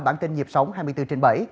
bản tin nhịp sống hai mươi bốn trên bảy